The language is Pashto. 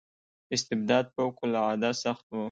استبداد فوق العاده سخت و.